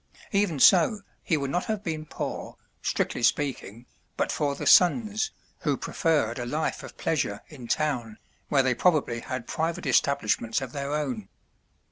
Even so he would not have been poor, strictly speaking, but for the sons, who preferred a life of pleasure in town, where they probably had private establishments of their own.